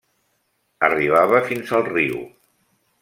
Arribava fins al riu.